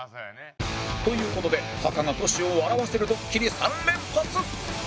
という事でタカがトシを笑わせるドッキリ３連発！